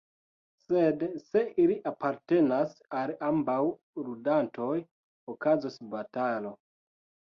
Sed se ili apartenas al ambaŭ ludantoj, okazos batalo.